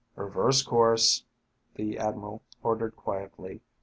"Reverse course," the admiral ordered quietly.